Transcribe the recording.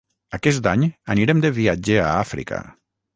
Aquest any anirem de viatge a Àfrica